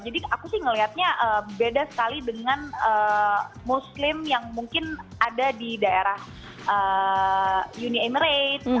jadi aku sih ngelihatnya beda sekali dengan muslim yang mungkin ada di daerah uni emirates